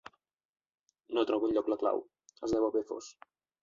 No trobo enlloc la clau, es deu haver fos.